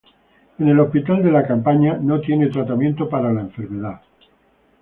En el hospital de campaña no tienen tratamiento para la enfermedad.